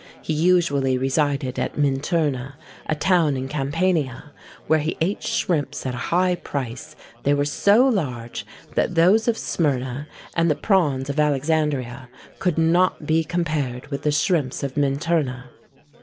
He usually resided at Minturna, a town in Campania, where he ate shrimps at a high price: they were so large, that those of Smyrna, and the prawns of Alexandria, could not be compared with the shrimps of Minturna.